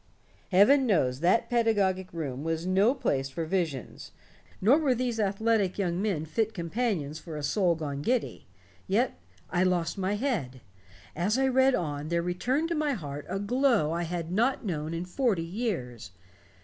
"Heaven knows that pedagogic room was no place for visions, nor were those athletic young men fit companions for a soul gone giddy. Yet I lost my head. As I read on there returned to my heart a glow I had not known in forty years.